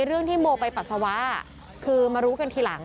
เรื่องที่โมไปปัสสาวะคือมารู้กันทีหลัง